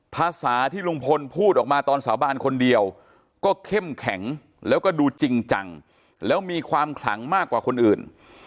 ภาษาที่ลุงพลพูดออกมาตอนสาบานคนเดียวก็เข้มแข็งแล้วก็ดูจริงจังแล้วมีความขลังมากกว่าคนอื่น